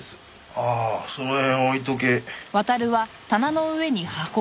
ああその辺置いとけ。